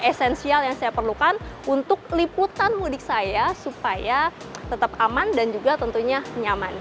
esensial yang saya perlukan untuk liputan mudik saya supaya tetap aman dan juga tentunya nyaman